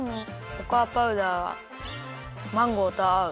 ココアパウダーマンゴーとあう。